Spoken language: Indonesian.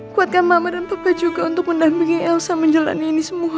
kuatkan mama dan tuka juga untuk mendampingi elsa menjalani ini semua